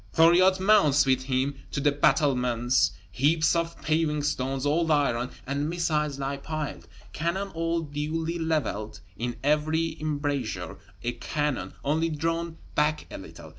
Thuriot mounts with him to the battlements; heaps of paving stones, old iron, and missiles lie piled; cannon all duly leveled; in every embrasure a cannon, only drawn back a little!